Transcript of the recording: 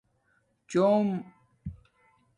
چݸم